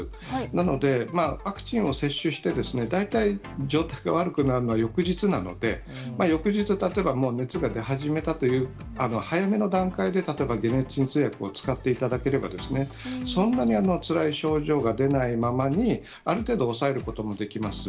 なので、ワクチンを接種して大体状態が悪くなるのは翌日なので、翌日例えば熱が出始めたという早めの段階で例えば解熱鎮痛薬を使っていただければ、そんなにつらい症状が出ないままに、ある程度抑えることもできます。